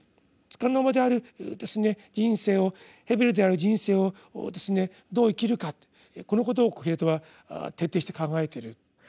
束の間である人生を「ヘベル」である人生をどう生きるかとこのことをコヘレトは徹底して考えてる。